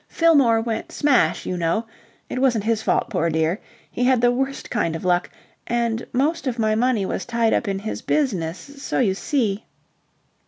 "Fillmore went smash, you know it wasn't his fault, poor dear. He had the worst kind of luck and most of my money was tied up in his business, so you see..."